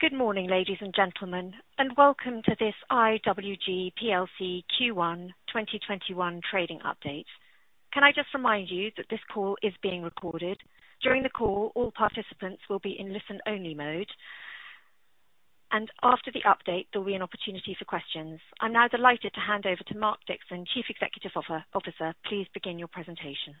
Good morning, ladies and gentlemen. Welcome to this IWG PLC Q1 2021 Trading Update. Can I just remind you that this call is being recorded. During the call, all participants will be in listen-only mode, and after the update, there will be an opportunity for questions. I am now delighted to hand over to Mark Dixon, Chief Executive Officer. Please begin your presentation.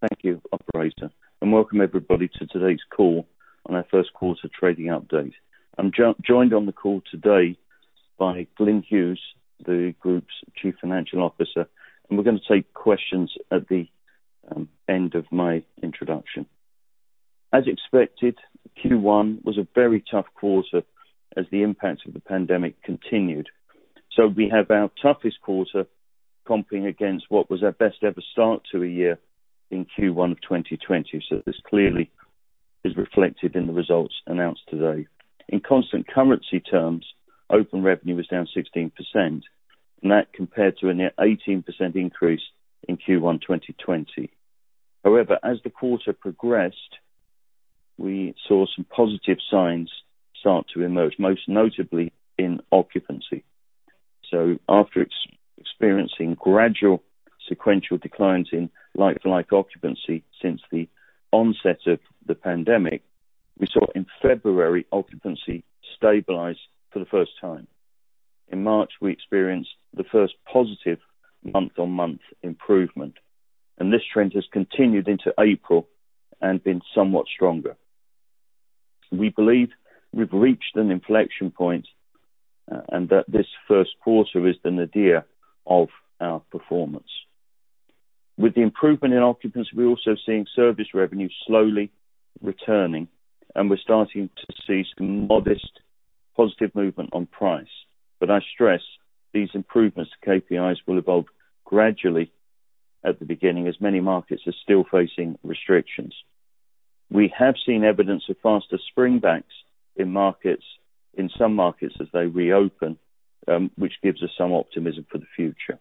Thank you, operator. Welcome everybody to today's call on our Q1 trading update. I'm joined on the call today by Glyn Hughes, the Group's Chief Financial Officer. We're going to take questions at the end of my introduction. As expected, Q1 was a very tough quarter as the impacts of the pandemic continued. We have our toughest quarter comping against what was our best ever start to a year in Q1 of 2020. This clearly is reflected in the results announced today. In constant currency terms, open revenue was down 16%. That compared to a net 18% increase in Q1 2020. However, as the quarter progressed, we saw some positive signs start to emerge, most notably in occupancy. After experiencing gradual sequential declines in like-to-like occupancy since the onset of the pandemic, we saw in February occupancy stabilize for the first time. In March, we experienced the first positive month-on-month improvement. This trend has continued into April and been somewhat stronger. We believe we've reached an inflection point. This Q1 is the nadir of our performance. With the improvement in occupancy, we're also seeing service revenue slowly returning. We're starting to see some modest positive movement on price. I stress these improvements to KPIs will evolve gradually at the beginning as many markets are still facing restrictions. We have seen evidence of faster spring-backs in some markets as they reopen, which gives us some optimism for the future.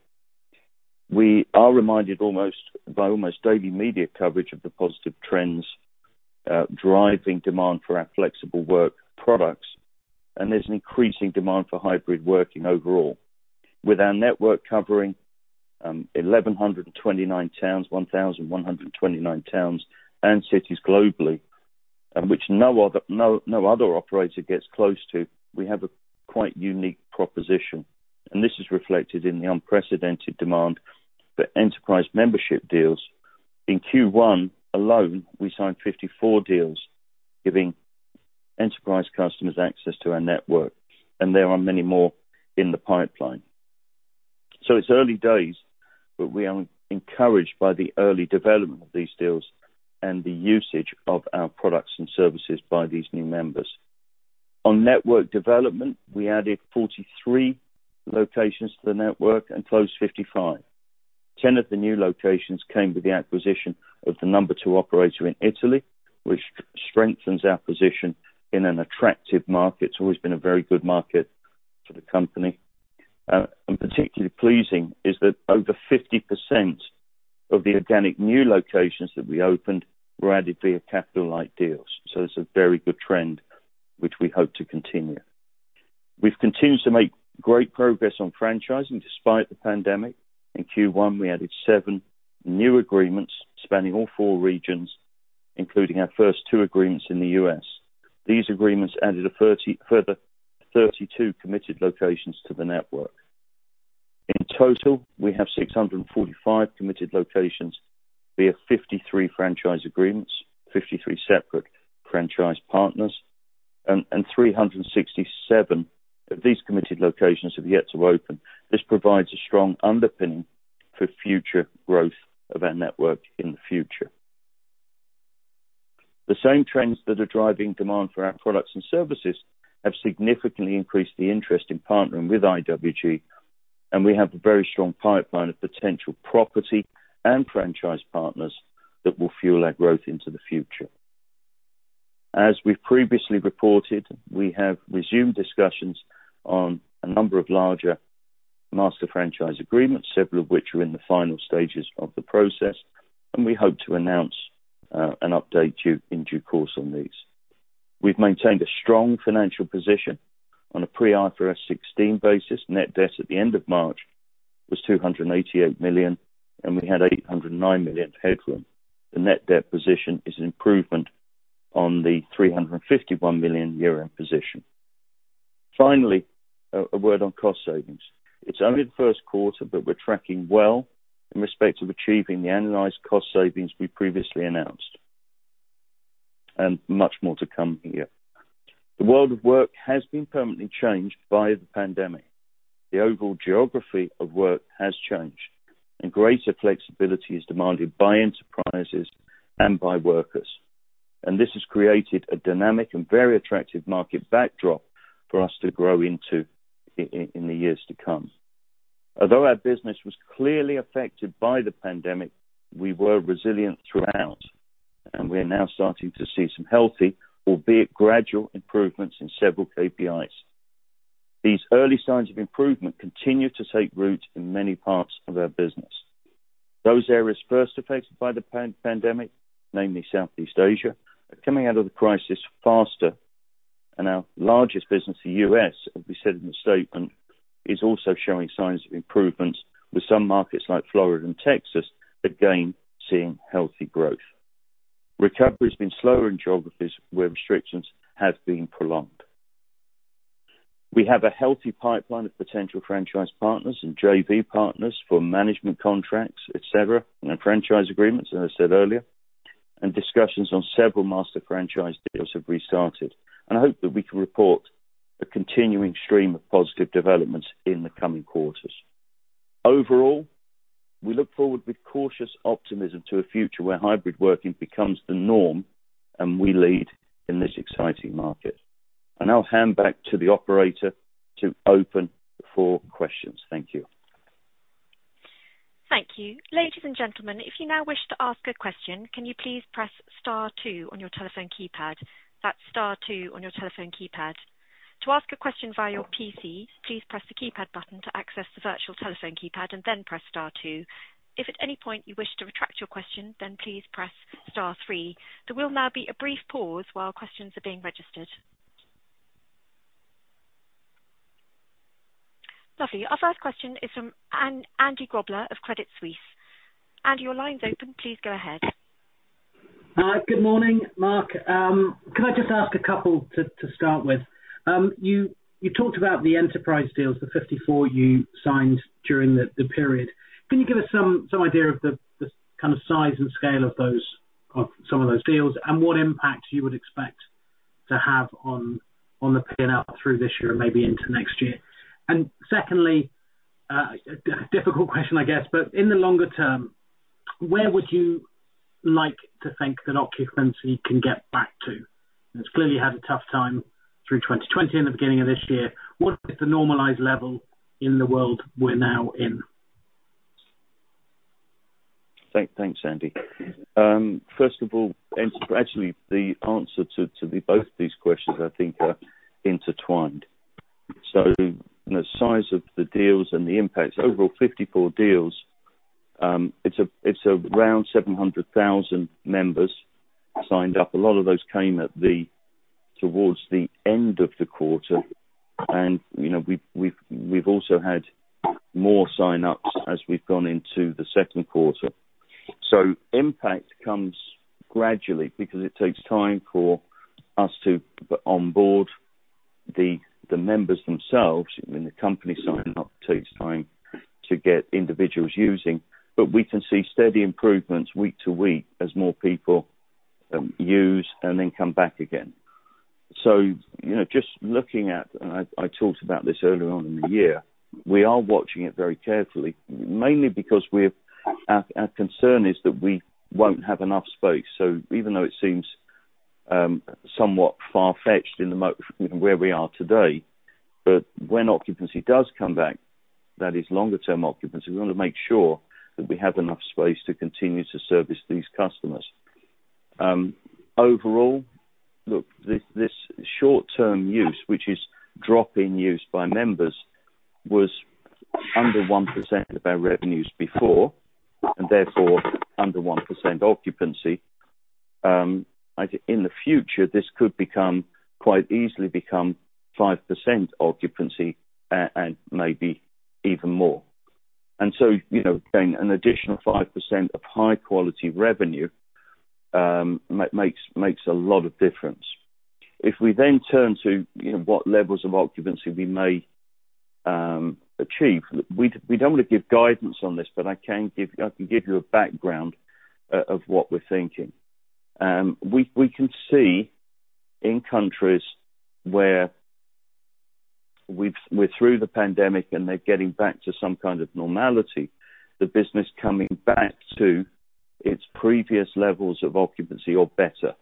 We are reminded by almost daily media coverage of the positive trends driving demand for our flexible work products. There's an increasing demand for hybrid working overall. With our network covering 1,129 towns and cities globally, and which no other operator gets close to, we have a quite unique proposition, and this is reflected in the unprecedented demand for enterprise membership deals. In Q1 alone, we signed 54 deals, giving enterprise customers access to our network, and there are many more in the pipeline. It's early days, but we are encouraged by the early development of these deals and the usage of our products and services by these new members. On network development, we added 43 locations to the network and closed 55. 10 of the new locations came with the acquisition of the number two operator in Italy, which strengthens our position in an attractive market. It's always been a very good market for the company. Particularly pleasing is that over 50% of the organic new locations that we opened were added via capital-light deals. It's a very good trend which we hope to continue. We've continued to make great progress on franchising despite the pandemic. In Q1, we added seven new agreements spanning all four regions, including our first two agreements in the U.S. These agreements added a further 32 committed locations to the network. In total, we have 645 committed locations via 53 franchise agreements, 53 separate franchise partners, and 367 of these committed locations have yet to open. This provides a strong underpinning for future growth of our network in the future. The same trends that are driving demand for our products and services have significantly increased the interest in partnering with IWG, and we have a very strong pipeline of potential property and franchise partners that will fuel our growth into the future. As we've previously reported, we have resumed discussions on a number of larger Master Franchise Agreements, several of which are in the final stages of the process, and we hope to announce an update in due course on these. We've maintained a strong financial position. On a pre-IFRS 16 basis, net debt at the end of March was 288 million, and we had 809 million headroom. The net debt position is an improvement on the 351 million euro position. Finally, a word on cost savings. It's only the Q1, but we're tracking well in respect of achieving the annualized cost savings we previously announced, and much more to come here. The world of work has been permanently changed by the pandemic. The overall geography of work has changed, and greater flexibility is demanded by enterprises and by workers. This has created a dynamic and very attractive market backdrop for us to grow into in the years to come. Although our business was clearly affected by the pandemic, we were resilient throughout, and we are now starting to see some healthy, albeit gradual, improvements in several KPIs. These early signs of improvement continue to take root in many parts of our business. Those areas first affected by the pandemic, namely Southeast Asia, are coming out of the crisis faster. Our largest business, the U.S., as we said in the statement, is also showing signs of improvements with some markets like Florida and Texas again seeing healthy growth. Recovery has been slower in geographies where restrictions have been prolonged. We have a healthy pipeline of potential franchise partners and JV partners for management contracts, et cetera, and our franchise agreements, as I said earlier, and discussions on several Master Franchise deals have restarted. I hope that we can report a continuing stream of positive developments in the coming quarters. Overall, we look forward with cautious optimism to a future where hybrid working becomes the norm and we lead in this exciting market. I'll hand back to the operator to open the floor for questions. Thank you. Lovely. Our first question is from Andy Grobler of Credit Suisse. Andy, your line's open. Please go ahead. Good morning, Mark. Can I just ask a couple to start with? You talked about the enterprise deals, the 54 you signed during the period. Can you give us some idea of the kind of size and scale of some of those deals and what impact you would expect to have on the P&L through this year and maybe into next year? Secondly, a difficult question, I guess, but in the longer term, where would you like to think that occupancy can get back to? It's clearly had a tough time through 2020 and the beginning of this year. What is the normalized level in the world we're now in? Thanks, Andy. Actually, the answer to both these questions, I think, are intertwined. The size of the deals and the impacts, overall 54 deals. It's around 700,000 members signed up. A lot of those came towards the end of the quarter. We've also had more sign-ups as we've gone into the Q2. Impact comes gradually because it takes time for us to onboard the members themselves. When the company sign up, it takes time to get individuals using. We can see steady improvements week to week as more people use and then come back again. Just looking at, and I talked about this earlier on in the year, we are watching it very carefully, mainly because our concern is that we won't have enough space. Even though it seems somewhat far-fetched in where we are today, when occupancy does come back, that is longer term occupancy, we want to make sure that we have enough space to continue to service these customers. Overall, this short-term use, which is drop-in use by members, was under one percent of our revenues before, and therefore under one percent occupancy. In the future, this could quite easily become five percent occupancy, and maybe even more. Again, an additional five percent of high-quality revenue makes a lot of difference. If we then turn to what levels of occupancy we may achieve, we don't want to give guidance on this, but I can give you a background of what we're thinking. We can see in countries where we're through the pandemic and they're getting back to some kind of normality, the business coming back to its previous levels of occupancy or better.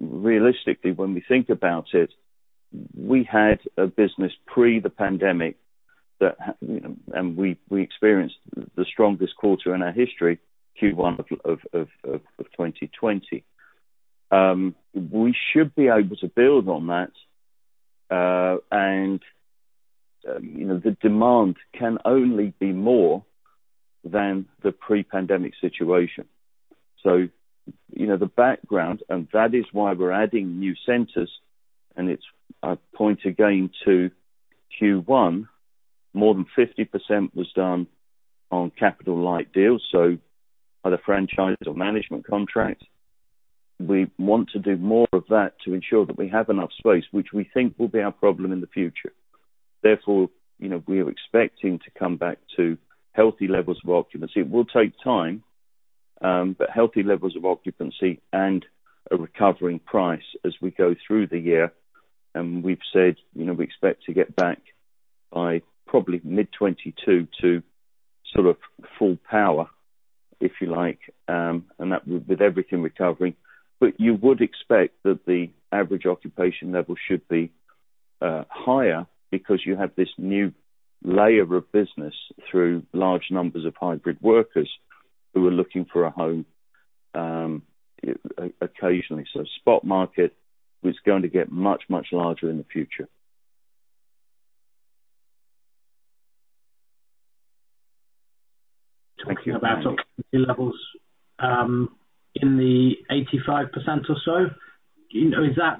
Realistically, when we think about it, we had a business pre the pandemic and we experienced the strongest quarter in our history, Q1 of 2020. We should be able to build on that. The demand can only be more than the pre-pandemic situation. The background, and that is why we're adding new centers, and I point again to Q1, more than 50% was done on capital-light deals, so either franchise or management contracts. We want to do more of that to ensure that we have enough space, which we think will be our problem in the future. Therefore, we are expecting to come back to healthy levels of occupancy. It will take time, healthy levels of occupancy and a recovering price as we go through the year. We've said we expect to get back by probably mid 2022 to sort of full power, if you like, and that with everything recovering. You would expect that the average occupation level should be higher because you have this new layer of business through large numbers of hybrid workers who are looking for a home occasionally. Spot market is going to get much, much larger in the future. Talking about occupancy levels in the 85% or so, is that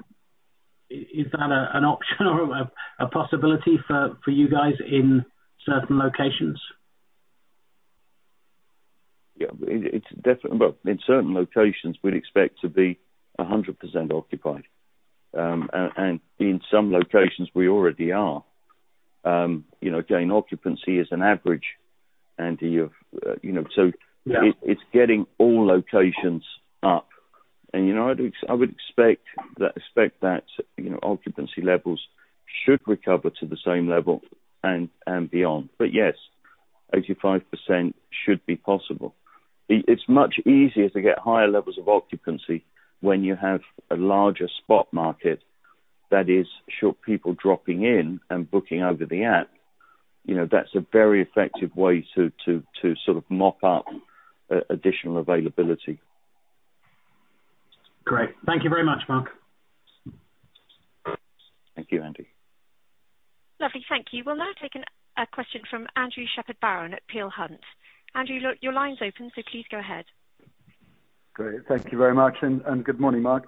an option or a possibility for you guys in certain locations? Yeah. In certain locations, we'd expect to be 100% occupied. In some locations, we already are. Again, occupancy is an average, Andy. Yeah. It's getting all locations up. I would expect that occupancy levels should recover to the same level and beyond. Yes, 85% should be possible. It's much easier to get higher levels of occupancy when you have a larger spot market that is short people dropping in and booking over the app. That's a very effective way to mop up additional availability. Great. Thank you very much, Mark. Thank you, Andy. Lovely. Thank you. We'll now take a question from Andrew Shepherd-Barron at Peel Hunt. Andrew, your line's open, so please go ahead. Great. Thank you very much, and good morning, Mark.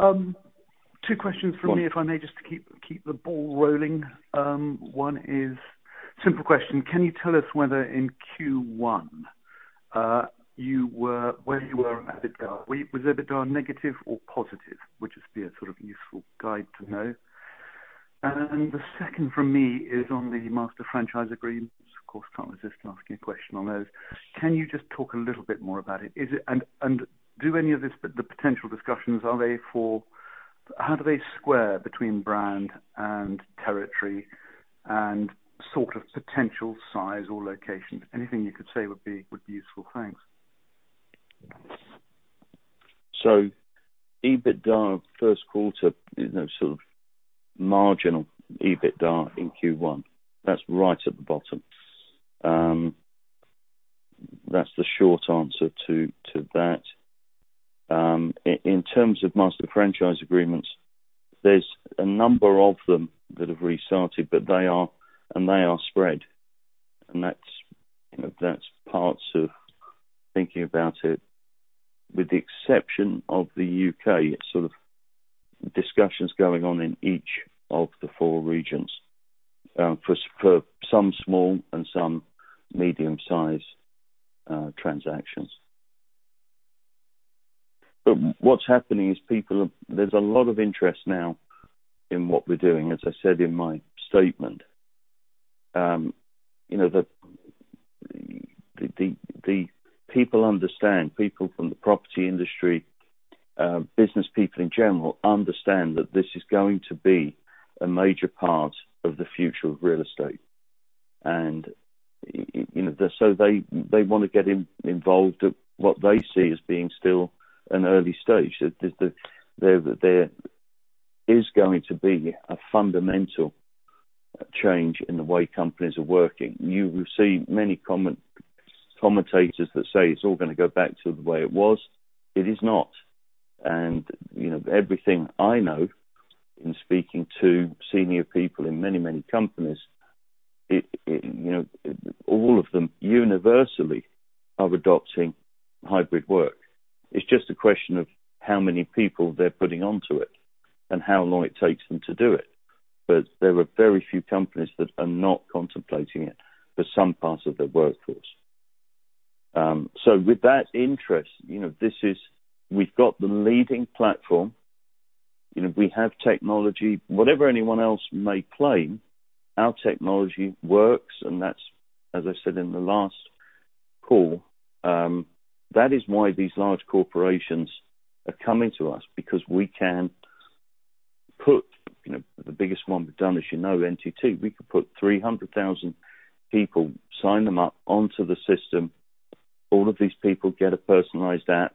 Two questions from me, if I may, just to keep the ball rolling. One is simple question. Can you tell us whether in Q1 where you were on EBITDA? Was EBITDA negative or positive? Which would be a useful guide to know. The second from me is on the Master Franchise Agreements. Of course, can't resist asking a question on those. Can you just talk a little bit more about it? Do any of the potential discussions, how do they square between brand and territory and sort of potential size or location? Anything you could say would be useful. Thanks. EBITDA Q1, sort of marginal EBITDA in Q1. That's right at the bottom. That's the short answer to that. In terms of Master Franchise Agreements, there's a number of them that have restarted, and they are spread. That's parts of thinking about it. With the exception of the U.K., sort of discussions going on in each of the four regions for some small and some medium-sized transactions. What's happening is there's a lot of interest now in what we're doing, as I said in my statement. The people understand, people from the property industry, business people, in general, understand that this is going to be a major part of the future of real estate. They want to get involved at what they see as being still an early stage. There is going to be a fundamental change in the way companies are working. You will see many commentators that say it's all going to go back to the way it was. It is not. Everything I know in speaking to senior people in many, many companies, all of them universally are adopting hybrid work. It's just a question of how many people they're putting onto it and how long it takes them to do it. There are very few companies that are not contemplating it for some parts of their workforce. With that interest, we've got the leading platform. We have technology. Whatever anyone else may claim, our technology works, and that's, as I said in the last call, that is why these large corporations are coming to us because we can put the biggest one we've done, as you know, NTT, we could put 300,000 people, sign them up onto the system. All of these people get a personalized app,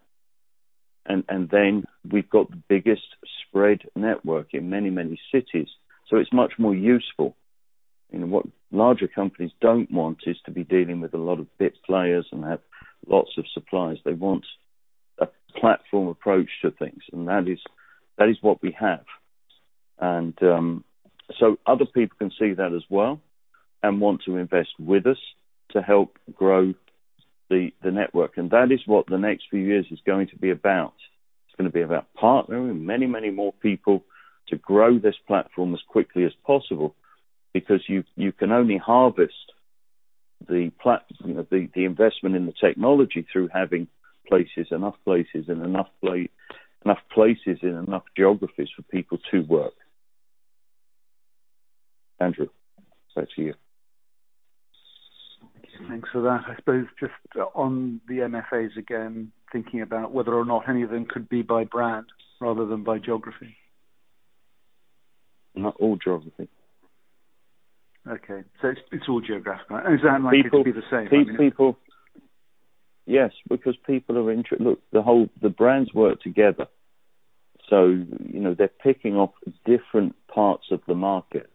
and then we've got the biggest spread network in many cities. It's much more useful. What larger companies don't want is to be dealing with a lot of bit players and have lots of suppliers. They want a platform approach to things. That is what we have. Other people can see that as well and want to invest with us to help grow the network. That is what the next few years is going to be about. It's going to be about partnering with many, many more people to grow this platform as quickly as possible because you can only harvest the investment in the technology through having enough places and enough geographies for people to work. Andrew, back to you. Thanks for that. I suppose just on the MFAs again, thinking about whether or not any of them could be by brand rather than by geography. No, all geography. It's all geographic. Is that likely to be the same? Yes, because people are. Look, the brands work together. They're picking off different parts of the market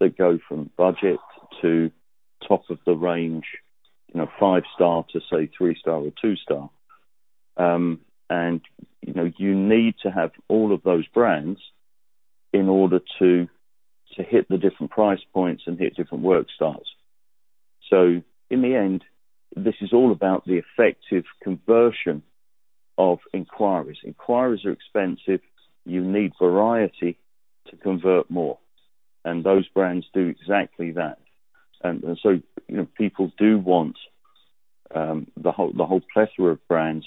that go from budget to top of the range, five-star to, say, three-star or two-star. You need to have all of those brands in order to hit the different price points and hit different work styles. In the end, this is all about the effective conversion of inquiries. Inquiries are expensive. You need variety to convert more, and those brands do exactly that. People do want the whole plethora of brands,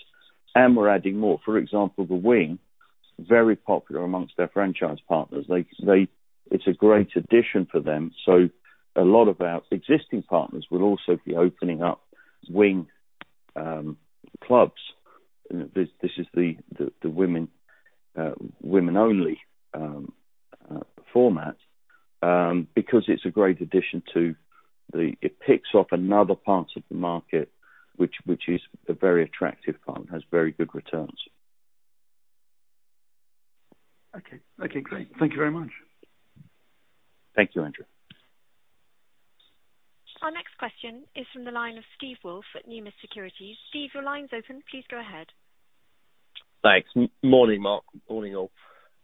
and we're adding more. For example, The Wing, very popular amongst their franchise partners. It's a great addition for them. A lot of our existing partners will also be opening up Wing clubs. This is the women-only format. It's a great addition. It ticks off another part of the market, which is a very attractive part, has very good returns. Okay. Great. Thank you very much. Thank you, Andrew. Our next question is from the line of Steve Woolf at Numis Securities. Steve, your line's open. Please go ahead. Thanks. Morning, Mark. Morning, all.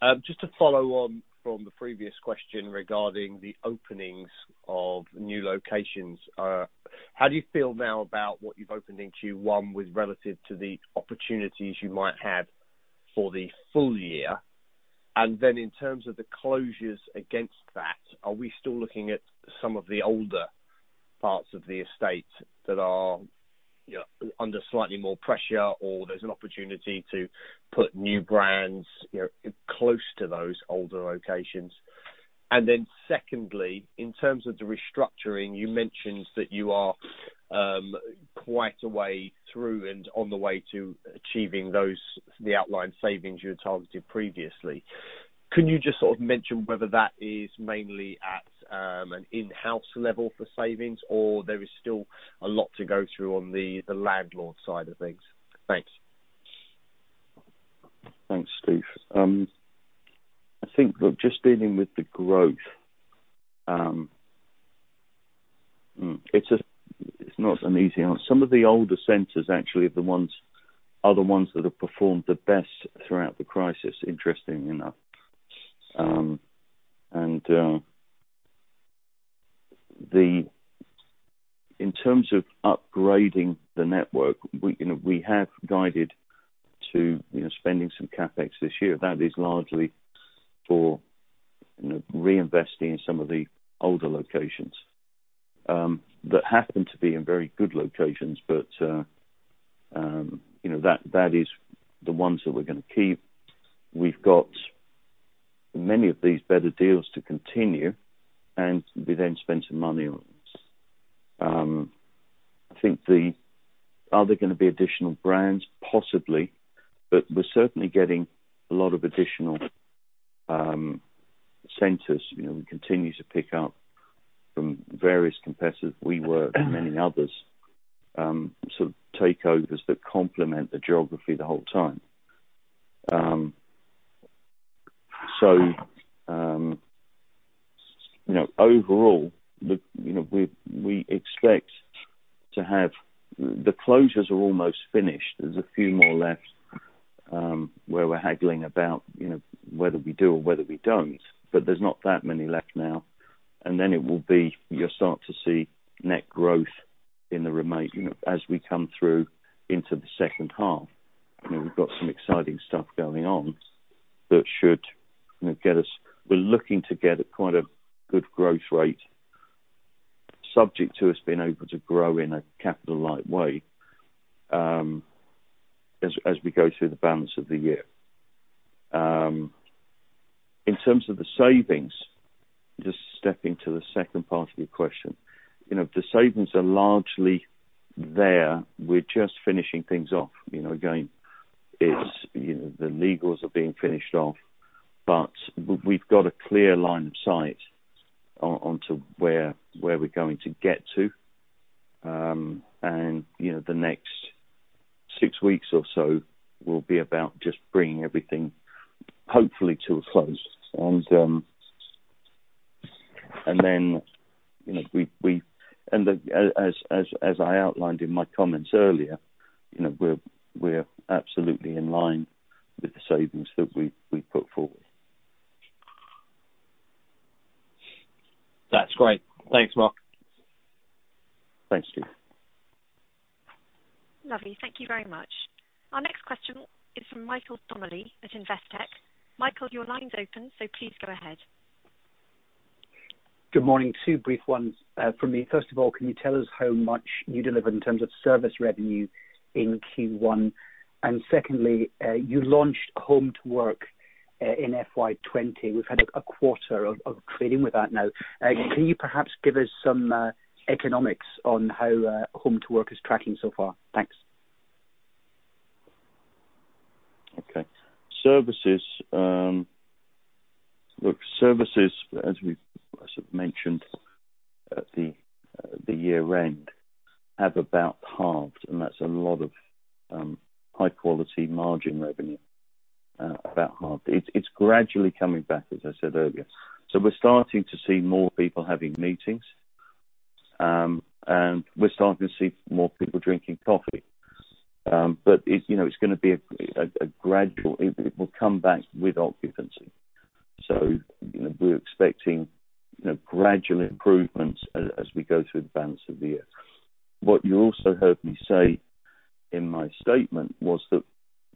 To follow on from the previous question regarding the openings of new locations. How do you feel now about what you've opened in Q1 with relative to the opportunities you might have for the full year? In terms of the closures against that, are we still looking at some of the older parts of the estate that are under slightly more pressure, or there's an opportunity to put new brands close to those older locations? Secondly, in terms of the restructuring, you mentioned that you are quite a way through and on the way to achieving the outline savings you had targeted previously. Can you mention whether that is mainly at an in-house level for savings or there is still a lot to go through on the landlord side of things? Thanks. Thanks, Steve. I think, look, just dealing with the growth. It's not an easy answer. In terms of upgrading the network, we have guided to spending some CapEx this year. That is largely for reinvesting in some of the older locations that happen to be in very good locations. That is the ones that we're going to keep. We've got many of these better deals to continue, and we then spend some money on them. I think are there going to be additional brands? Possibly. We're certainly getting a lot of additional centers. We continue to pick up from various competitors, WeWork and many others, sort of takeovers that complement the geography the whole time. Overall, the closures are almost finished. There's a few more left, where we're haggling about whether we do or whether we don't, but there's not that many left now. Then it will be, you'll start to see net growth as we come through into the second half. We've got some exciting stuff going on that should get us, we're looking to get at quite a good growth rate, subject to us being able to grow in a capital-light way, as we go through the balance of the year. In terms of the savings, just stepping to the second part of your question. The savings are largely there. We're just finishing things off. Again, the legals are being finished off, but we've got a clear line of sight onto where we're going to get to. The next six weeks or so will be about just bringing everything, hopefully, to a close. As I outlined in my comments earlier, we're absolutely in line with the savings that we put forward. That's great. Thanks, Mark. Thanks, Steve. Lovely. Thank you very much. Our next question is from Michael Donnelly at Investec. Michael, your line's open, so please go ahead. Good morning. Two brief ones from me. First of all, can you tell us how much you delivered in terms of service revenue in Q1? Secondly, you launched HomeToWork in FY 2020. We've had a quarter of trading with that now. Yeah. Can you perhaps give us some economics on how HomeToWork is tracking so far? Thanks. Okay. Services, look, as we mentioned at the year-end, have about halved. That's a lot of high-quality margin revenue about halved. It's gradually coming back, as I said earlier. We're starting to see more people having meetings. We're starting to see more people drinking coffee. It will come back with occupancy. We're expecting gradual improvements as we go through the balance of the year. What you also heard me say in my statement was that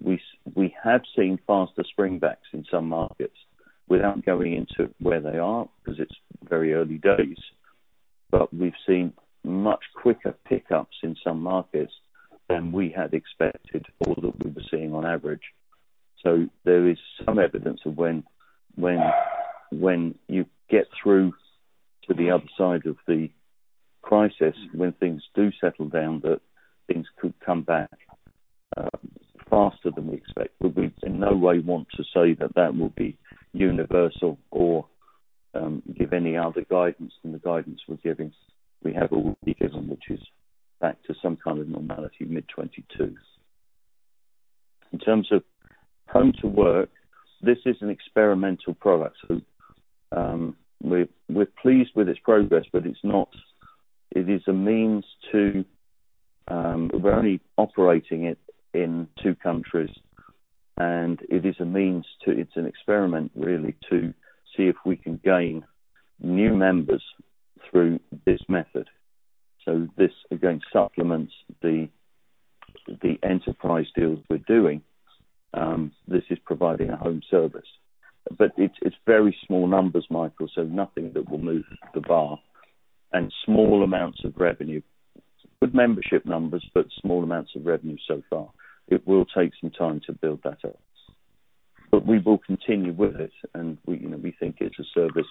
we have seen faster springbacks in some markets. Without going into where they are, because it's very early days. We've seen much quicker pick-ups in some markets than we had expected or that we were seeing on average. There is some evidence of when you get through to the other side of the crisis, when things do settle down, that things could come back faster than we expect. We, in no way, want to say that that will be universal or give any other guidance than the guidance we have already given, which is back to some kind of normality mid 2022. In terms of HomeToWork, this is an experimental product. We're pleased with its progress, but it is a means to We're only operating it in two countries, and it is a means to, it's an experiment really, to see if we can gain new members through this method. This, again, supplements the enterprise deals we're doing. This is providing a home service. It's very small numbers, Michael, so nothing that will move the bar, and small amounts of revenue. Good membership numbers, but small amounts of revenue so far. It will take some time to build that out. We will continue with it, and we think it's a service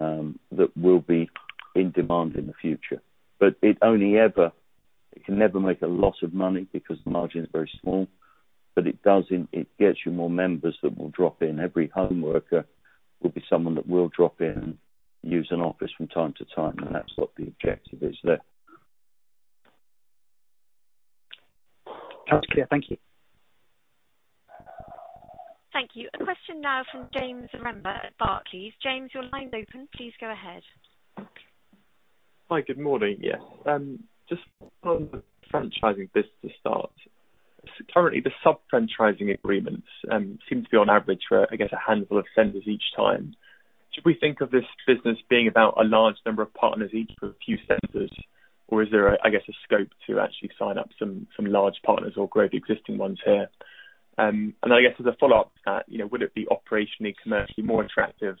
that will be in demand in the future. It can never make a lot of money because the margin is very small. It gets you more members that will drop in. Every home worker will be someone that will drop in and use an office from time to time, and that's what the objective is there. That's clear. Thank you. Thank you. A question now from James Redburn at Barclays. James, your line's open. Please go ahead. Hi. Good morning. Yes. On the franchising business to start. Currently, the sub-franchising agreements seem to be on average for, I guess, a handful of centers each time. Should we think of this business being about a large number of partners, each with a few centers? Is there a, I guess, a scope to actually sign up some large partners or grow the existing ones here? I guess as a follow-up to that, would it be operationally, commercially more attractive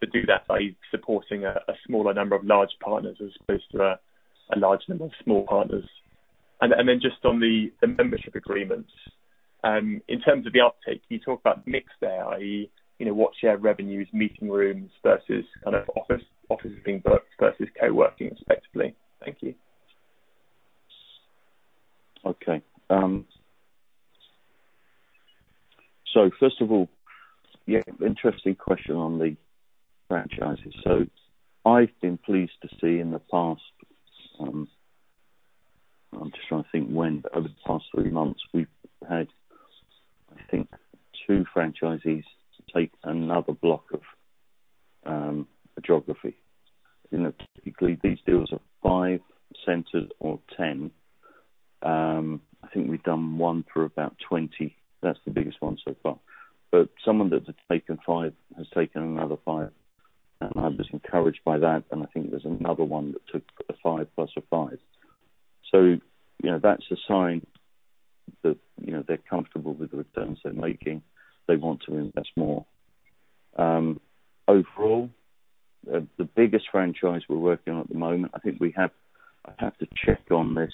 to do that by supporting a smaller number of large partners as opposed to a large number of small partners? On the membership agreements. In terms of the uptake, can you talk about the mix there? I.e. what share revenues, meeting rooms versus office being booked versus co-working, respectively? Thank you. First of all, yeah, interesting question on the franchises. I've been pleased to see in the past, I'm just trying to think when, but over the past three months, we've had, I think, two franchisees take another block of a geography. Typically, these deals are five centers or 10. I think we've done one for about 20. That's the biggest one so far. Someone that had taken five has taken another five, and I was encouraged by that, and I think there's another one that took a five plus a five. That's a sign that they're comfortable with the returns they're making. They want to invest more. Overall, the biggest franchise we're working on at the moment, I think we have, I have to check on this.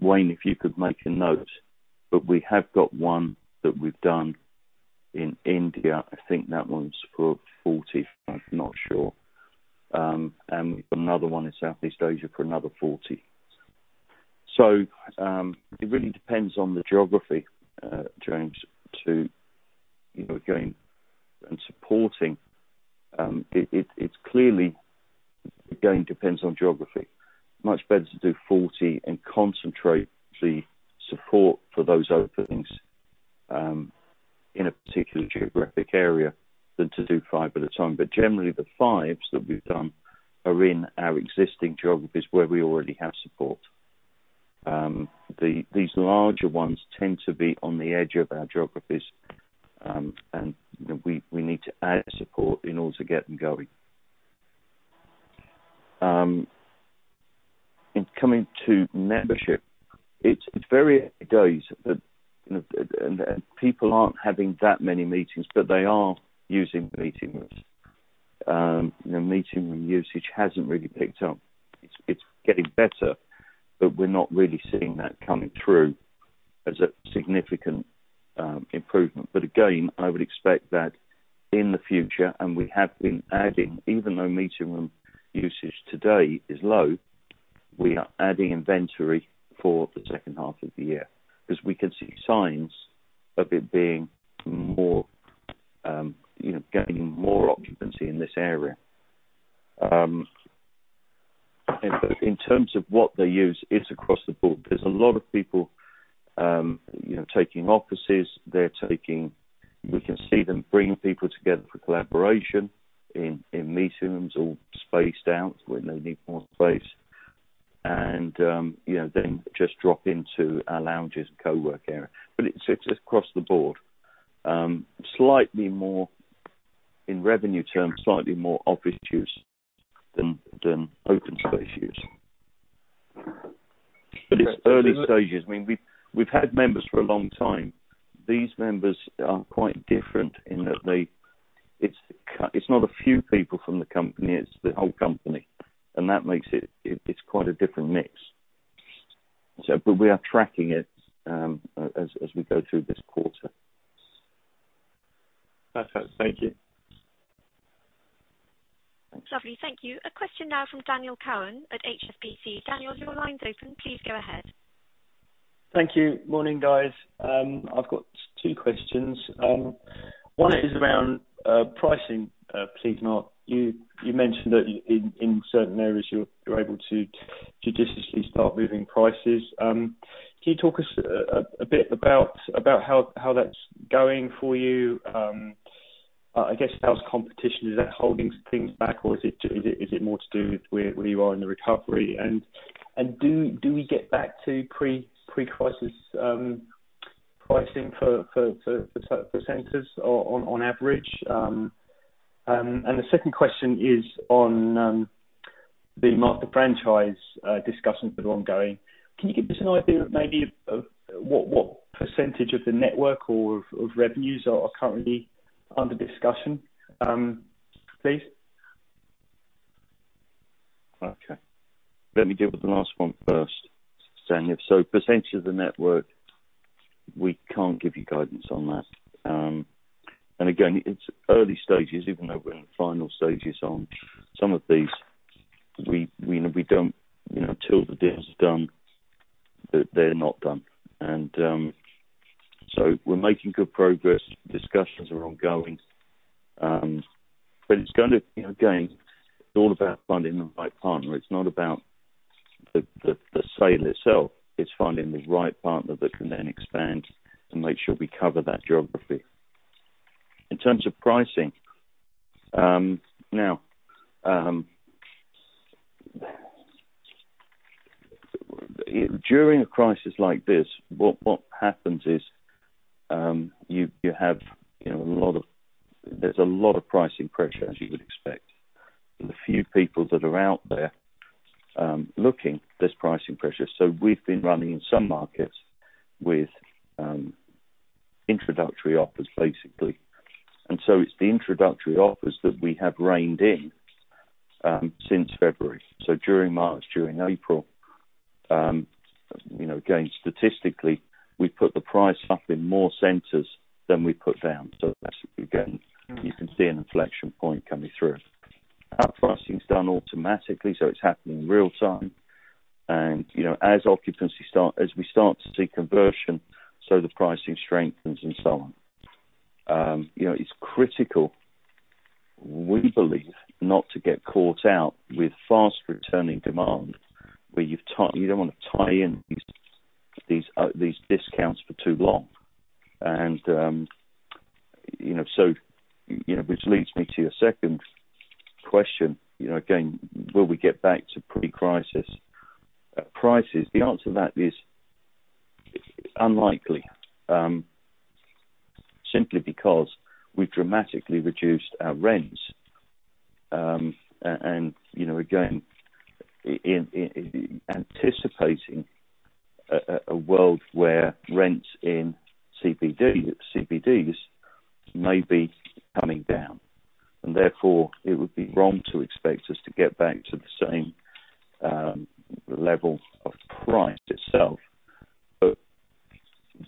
Wayne Berger, if you could make a note, but we have got one that we've done in India. I think that one's for 45, I'm not sure. We've got another one in Southeast Asia for another 40. It really depends on the geography, James, supporting. It's clearly, again, depends on geography. Much better to do 40 and concentrate the support for those openings in a particular geographic area than to do five at a time. Generally, the fives that we've done are in our existing geographies where we already have support. These larger ones tend to be on the edge of our geographies, and we need to add support in order to get them going. In coming to membership, it's very early days. People aren't having that many meetings, but they are using meeting rooms. Meeting room usage hasn't really picked up. It's getting better, but we're not really seeing that coming through as a significant improvement. Again, I would expect that in the future, and we have been adding, even though meeting room usage today is low. We are adding inventory for the second half of the year because we can see signs of it getting more occupancy in this area. In terms of what they use, it's across the board. There's a lot of people taking offices. We can see them bringing people together for collaboration in meeting rooms all spaced out where they need more space. Just drop into our lounges and co-work area. It sits across the board. In revenue terms, slightly more office use than open space use. It's early stages. We've had members for a long time. These members are quite different in that it's not a few people from the company, it's the whole company, and that makes it quite a different mix. We are tracking it as we go through this quarter. Perfect. Thank you. Lovely. Thank you. A question now from Daniel Cowan at HSBC. Daniel, your line's open. Please go ahead. Thank you. Morning, guys. I've got two questions. One is around pricing. Please, Mark, you mentioned that in certain areas, you're able to judiciously start moving prices. Can you talk us a bit about how that's going for you? I guess how's competition, is that holding things back, or is it more to do with where you are in the recovery? Do we get back to pre-crisis pricing for centers on average? The second question is on the Master Franchise discussions that are ongoing. Can you give us an idea of maybe what % of the network or of revenues are currently under discussion, please? Okay. Let me deal with the last one first, Daniel. Percentage of the network, we can't give you guidance on that. Again, it's early stages, even though we're in final stages on some of these. Till the deal is done, they're not done. We're making good progress. Discussions are ongoing. Again, it's all about finding the right partner. It's not about the sale itself. It's finding the right partner that can then expand and make sure we cover that geography. In terms of pricing. Now, during a crisis like this, what happens is there's a lot of pricing pressure, as you would expect. The few people that are out there looking, there's pricing pressure. We've been running in some markets with introductory offers, basically. It's the introductory offers that we have reined in since February. During March, during April, again, statistically, we put the price up in more centers than we put down. That's, again, you can see an inflection point coming through. Our pricing is done automatically, so it's happening in real time. As we start to see conversion, so the pricing strengthens and so on. It's critical, we believe, not to get caught out with fast-returning demand. You don't want to tie in these discounts for too long. Which leads me to your second question. Again, will we get back to pre-crisis prices? The answer to that is unlikely, simply because we dramatically reduced our rents. Again, anticipating a world where rents in CBDs may be coming down. Therefore, it would be wrong to expect us to get back to the same level of price itself.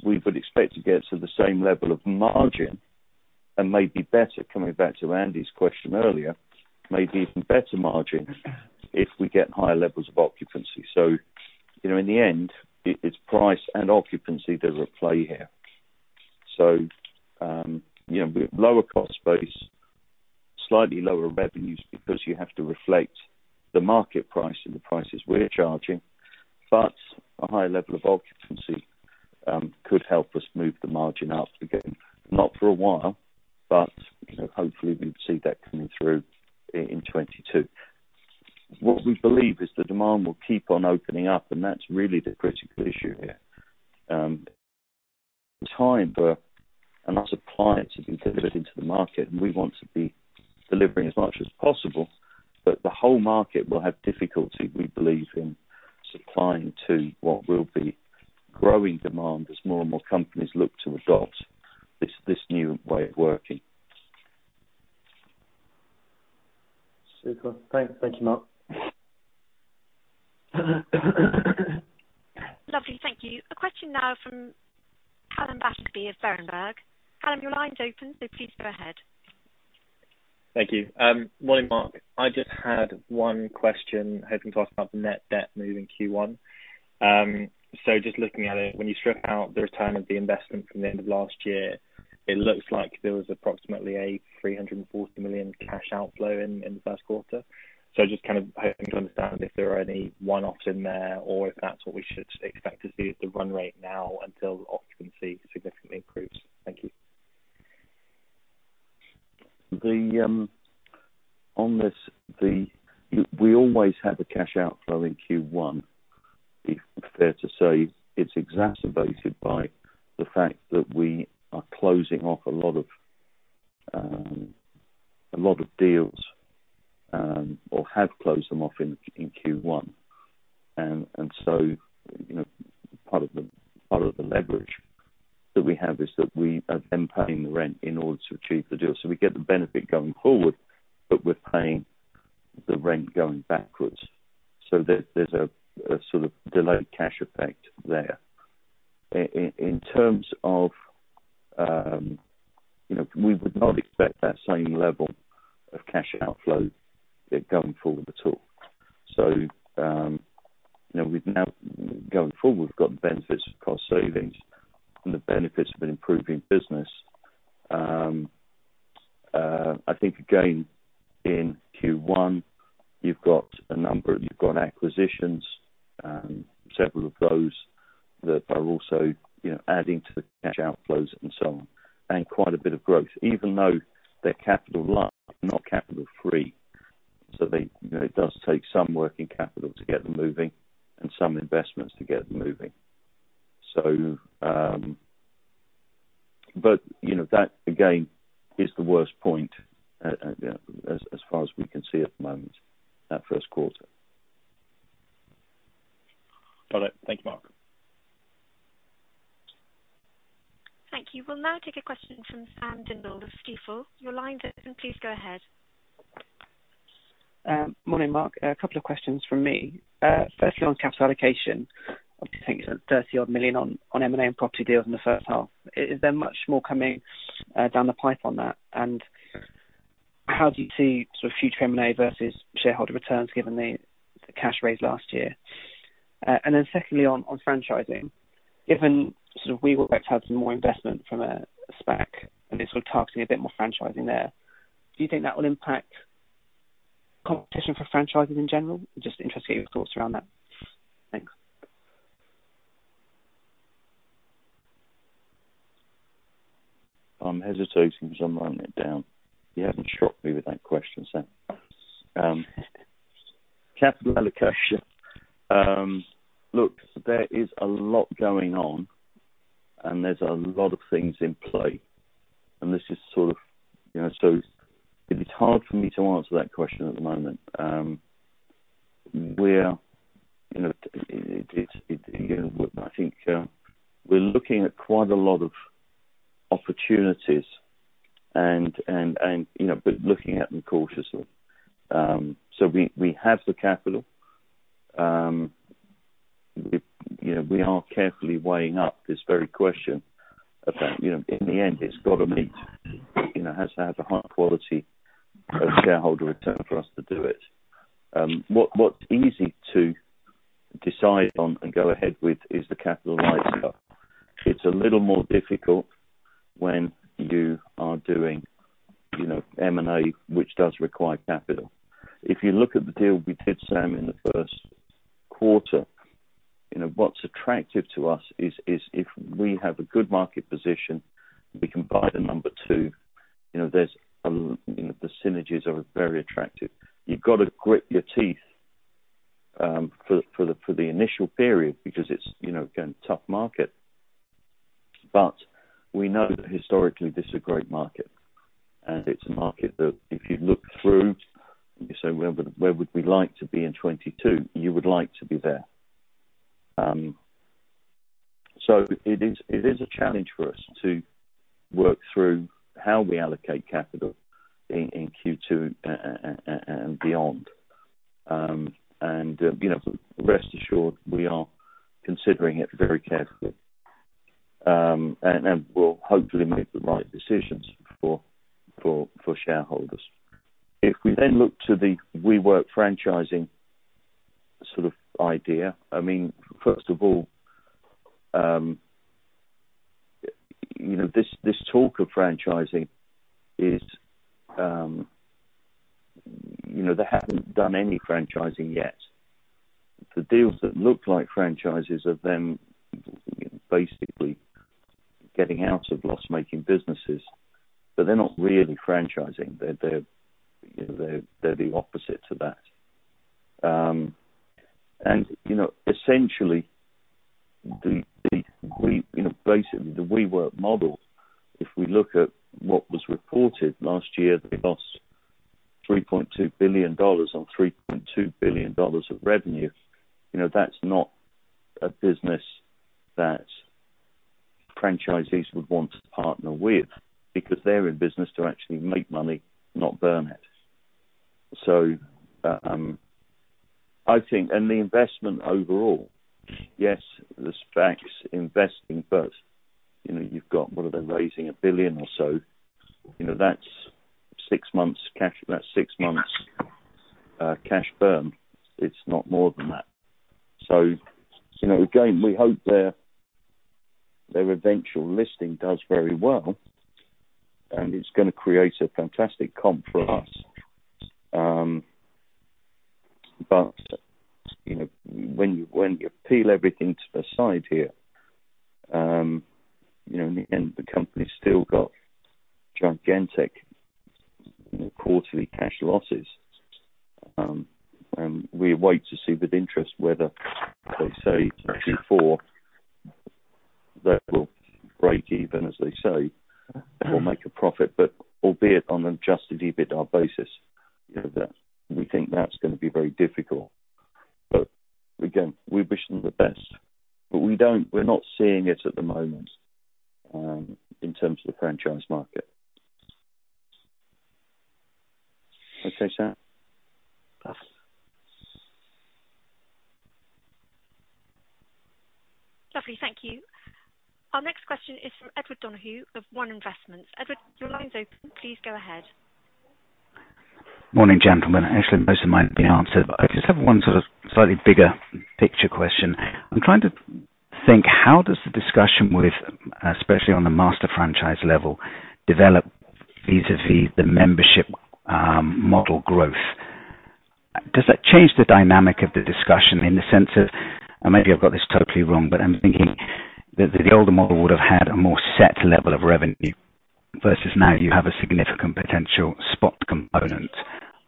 We would expect to get to the same level of margin and may be better, coming back to Andy's question earlier, maybe even better margin if we get higher levels of occupancy. In the end, it's price and occupancy that are at play here. We have lower cost base, slightly lower revenues because you have to reflect the market price and the prices we're charging. A high level of occupancy could help us move the margin up again, not for a while, but hopefully we'll see that coming through in 2022. What we believe is the demand will keep on opening up, and that's really the critical issue here. In time, where enough supply to be delivered into the market, and we want to be delivering as much as possible. The whole market will have difficulty, we believe, in supplying to what will be growing demand as more and more companies look to adopt this new way of working. Super. Thank you, Mark. Lovely. Thank you. A question now from Calum Battersby of Berenberg. Calum, your line is open, so please go ahead. Thank you. Morning, Mark. I just had one question, hoping to ask about the net debt move in Q1. Just looking at it, when you strip out the return of the investment from the end of last year, it looks like there was approximately a 340 million cash outflow in the Q1. Just hoping to understand if there are any one-offs in there or if that's what we should expect to see at the run rate now until occupancy significantly improves. Thank you. On this, we always had the cash outflow in Q1. Be fair to say, it's exacerbated by the fact that we are closing off a lot of deals, or have closed them off in Q1. Part of the leverage that we have is that we are then paying the rent in order to achieve the deal. We get the benefit going forward, but we're paying the rent going backwards. There's a sort of delayed cash effect there. In terms of, we would not expect that same level of cash outflow going forward at all. Now going forward, we've got the benefits of cost savings and the benefits of an improving business. I think, again, in Q1, you've got a number, you've got acquisitions, several of those that are also adding to the cash outflows and so on, and quite a bit of growth, even though they're capitalized, not capital free. It does take some working capital to get them moving and some investments to get them moving. That again, is the worst point as far as we can see at the moment, that Q1. Got it. Thank you, Mark. Thank you. We'll now take a question from Sam Dindol of Stifel. Your line is open. Please go ahead. Morning, Mark. A couple of questions from me. Firstly, on capital allocation. Obviously, I think you said 30 odd million on M&A and property deals in the first half. Is there much more coming down the pipe on that? How do you see future M&A versus shareholder returns given the cash raised last year? Secondly, on franchising. Given WeWork would like to have some more investment from a SPAC, and it's targeting a bit more franchising there, do you think that will impact competition for franchises in general? Just interested in your thoughts around that. Thanks. I'm hesitating because I'm writing it down. You haven't shocked me with that question, Sam. Capital allocation. Look, there is a lot going on, and there's a lot of things in play. It's hard for me to answer that question at the moment. I think we're looking at quite a lot of opportunities and looking at them cautiously. We have the capital. We are carefully weighing up this very question about, in the end, it's got to meet, it has to have a high quality of shareholder return for us to do it. What's easy to decide on and go ahead with is the capital light stuff. It's a little more difficult when you are doing M&A, which does require capital. If you look at the deal we did, Sam, in the Q1 what's attractive to us is if we have a good market position, we can buy the number two. The synergies are very attractive. You've got to grit your teeth, for the initial period because it's, again, a tough market. We know that historically, this is a great market, and it's a market that if you look through and you say, where would we like to be in 2022? You would like to be there. It is a challenge for us to work through how we allocate capital in Q2 and beyond. Rest assured, we are considering it very carefully. We'll hopefully make the right decisions for shareholders. If we then look to the WeWork franchising sort of idea. I mean, first of all, this talk of franchising. They haven't done any franchising yet. The deals that look like franchises are them basically getting out of loss-making businesses, but they're not really franchising. They're the opposite to that. Essentially, basically the WeWork model, if we look at what was reported last year, they lost GBP 3.2 billion on GBP 3.2 billion of revenue. That's not a business that franchisees would want to partner with because they're in business to actually make money, not burn it. I think, and the investment overall, yes, the SPACs investing, but you've got, what are they raising? 1 billion or so. That's six months cash burn. It's not more than that. Again, we hope their eventual listing does very well, and it's going to create a fantastic comp for us. When you peel everything to the side here, in the end, the company's still got gigantic quarterly cash losses. We await to see with interest whether they say Q4 that will break even, as they say, they will make a profit, albeit on an adjusted EBITDA basis. We think that's going to be very difficult. Again, we wish them the best, but we're not seeing it at the moment in terms of the franchise market. Okay, Sam? Lovely. Thank you. Our next question is from Edward Donohue of One Investments. Edward, your line's open. Please go ahead. Morning, gentlemen. Actually, most of mine have been answered, but I just have one sort of slightly bigger picture question. I'm trying to think, how does the discussion with, especially on the Master Franchise level, develop vis-à-vis the membership model growth? Does that change the dynamic of the discussion in the sense of, and maybe I've got this totally wrong, but I'm thinking that the older model would have had a more set level of revenue versus now you have a significant potential spot component.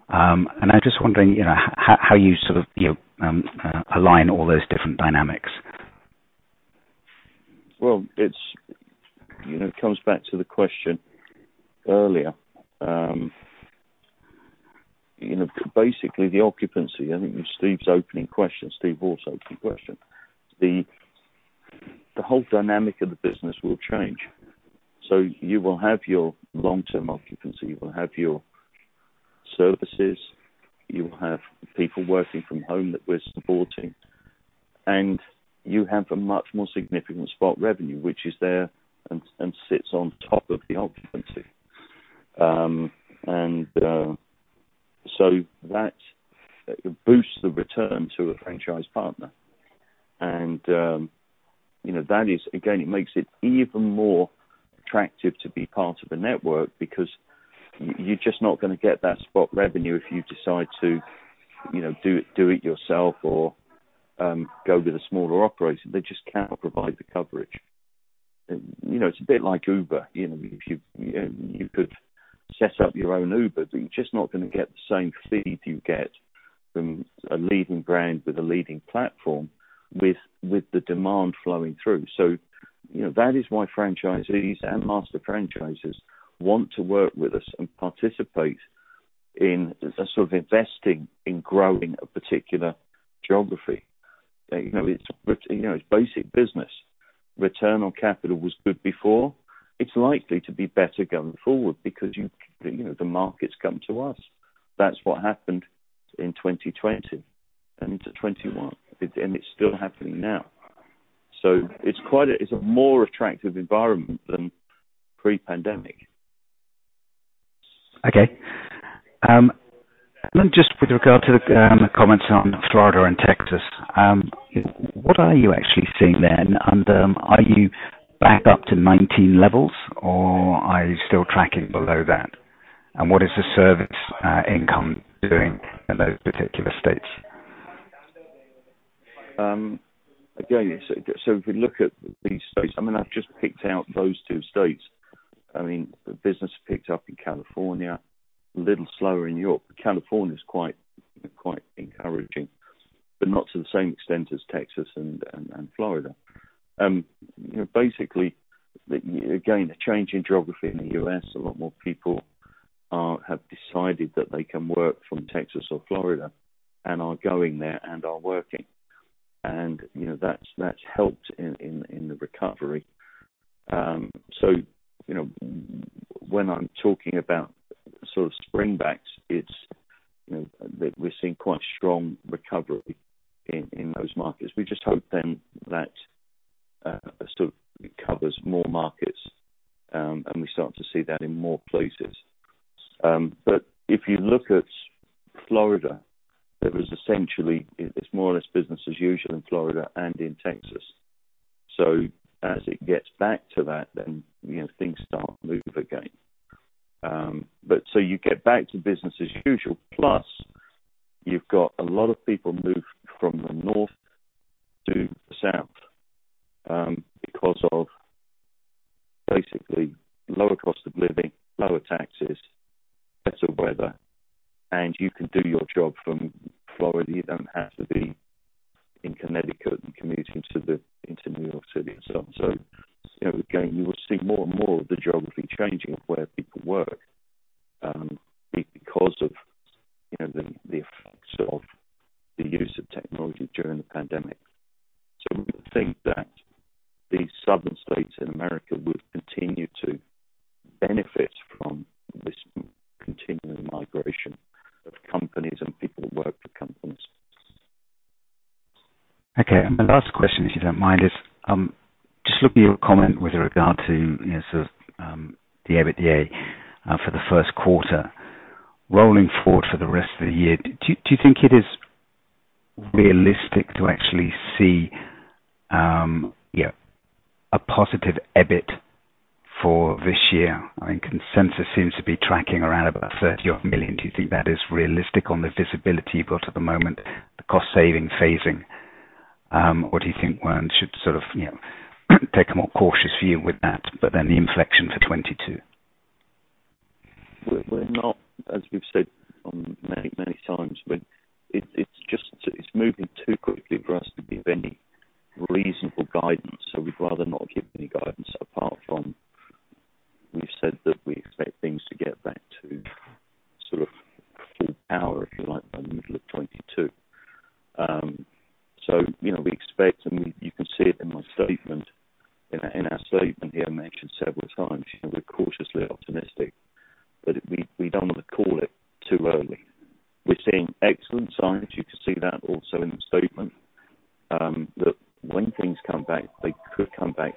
I'm just wondering, how you sort of align all those different dynamics. It comes back to the question earlier. Basically, the occupancy, Steve Ward's opening question. The whole dynamic of the business will change. You will have your long-term occupancy, you will have your services, you will have people working from home that we're supporting, and you have a much more significant spot revenue, which is there and sits on top of the occupancy. That boosts the return to a franchise partner. That is, again, it makes it even more attractive to be part of a network because you're just not going to get that spot revenue if you decide to do it yourself or go to the smaller operators. They just cannot provide the coverage. It's a bit like Uber. You could set up your own Uber, you're just not going to get the same feed you get from a leading brand with a leading platform with the demand flowing through. That is why franchisees and master franchises want to work with us and participate in a sort of investing in growing a particular geography. It's basic business. Return on capital was good before. It's likely to be better going forward because the market's come to us. That's what happened in 2020 and 2021, and it's still happening now. It's a more attractive environment than pre-pandemic. Okay. Just with regard to the comments on Florida and Texas, what are you actually seeing? Are you back up to 2019 levels or are you still tracking below that? What is the service income doing in those particular states? If you look at these states, I've just picked out those two states. The business picked up in California, a little slower in Europe. California is quite encouraging, but not to the same extent as Texas and Florida. The change in geography in the U.S., a lot more people have decided that they can work from Texas or Florida and are going there and are working. That's helped in the recovery. When I'm talking about sort of springbacks, it's that we're seeing quite strong recovery in those markets. We just hope then that sort of covers more markets, and we start to see that in more places. If you look at Florida, there is essentially, it's more or less business as usual in Florida and in Texas. As it gets back to that, then things start moving again. You get back to business as usual. Plus, you've got a lot of people move from the north to the south, because of basically lower cost of living, lower taxes, better weather, and you can do your job from Florida. You don't have to be in Connecticut and commuting into New York City and so on. Again, you will see more and more of the geography changing of where people work, because of the effects of the use of technology during the pandemic. We would think that the southern states in America would continue to benefit from this continuing migration of companies and people who work for companies. Okay. My last question, if you don't mind, is just looking at your comment with regard to the EBITDA for the Q1. Rolling forward for the rest of the year, do you think it is realistic to actually see a positive EBIT for this year? Consensus seems to be tracking around about 30-odd million. Do you think that is realistic on the visibility you've got at the moment, the cost saving phasing? Do you think one should take a more cautious view with that, but then the inflection for 2022? We're not, as we've said many times, it's moving too quickly for us to give any reasonable guidance. We'd rather not give any guidance apart from we've said that we expect things to get back to full power, if you like, by the middle of 2022. We expect, and you can see it in our statement here mentioned several times, we're cautiously optimistic. We don't want to call it too early. We're seeing excellent signs. You can see that also in the statement, that when things come back, they could come back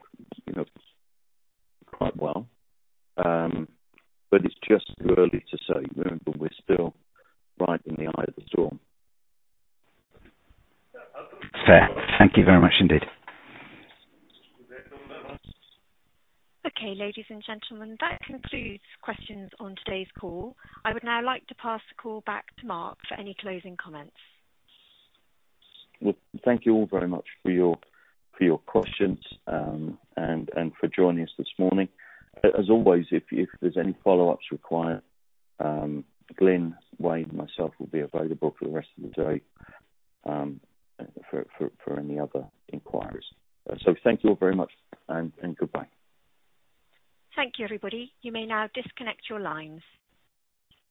quite well. It's just too early to say. Remember, we're still right in the eye of the storm. Fair. Thank you very much indeed. Okay, ladies and gentlemen, that concludes questions on today's call. I would now like to pass the call back to Mark for any closing comments. Well, thank you all very much for your questions and for joining us this morning. As always, if there's any follow-ups required, Glyn, Wayne, and myself will be available for the rest of the day for any other inquiries. Thank you all very much and goodbye. Thank you, everybody. You may now disconnect your lines.